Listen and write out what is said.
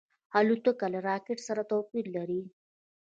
الوتکه له راکټ سره توپیر لري.